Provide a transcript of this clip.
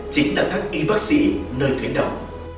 chính là các y bác sĩ nơi khuyến động